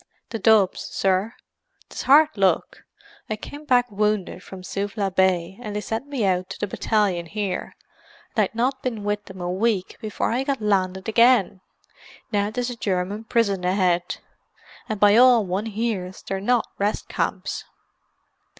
"The Dubs, sir. 'Tis hard luck; I kem back wounded from Suvla Bay and they sent me out to the battalion here; and I'd not been with them a week before I got landed again. Now 'tis a German prison ahead—and by all one hears they're not rest camps."